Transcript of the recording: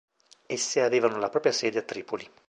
Esse avevano la propria sede a Tripoli.